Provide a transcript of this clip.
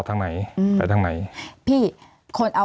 มีความรู้สึกว่ามีความรู้สึกว่า